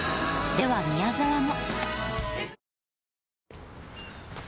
では宮沢も。